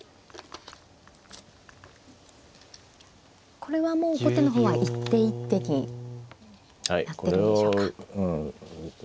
これはもう後手の方は一手一手にやってるんでしょうか。